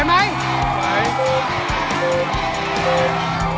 มาแล้ว